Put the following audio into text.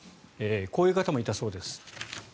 こういう方もいたそうです。